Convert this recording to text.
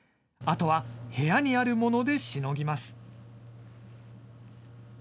あとは部屋にあるものでしのぎます。